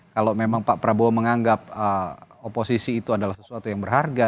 kalau memang pak prabowo menganggap oposisi itu adalah sesuatu yang berharga